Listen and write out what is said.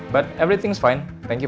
tapi semuanya baik baik saja